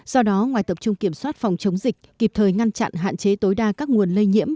do đó ngoài tập trung kiểm soát phòng chống dịch kịp thời ngăn chặn hạn chế tối đa các nguồn lây nhiễm